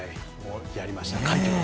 やりました。